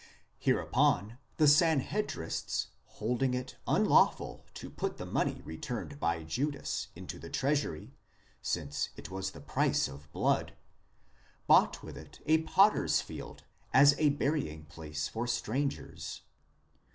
Hereupon the Sanhedrists, holding it unlawful to put the money returned by Judas into the treasury, since it was the price of blood, bought with it a potter's field as a burying place for strangers.